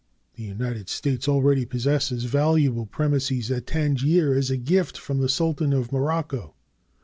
The United States already possess valuable premises at Tangier as a gift from the Sultan of Morocco.